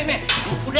asli tau udah